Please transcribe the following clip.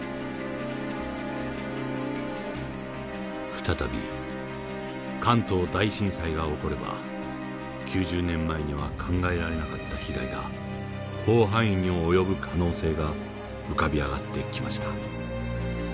再び関東大震災が起これば９０年前には考えられなかった被害が広範囲に及ぶ可能性が浮かび上がってきました。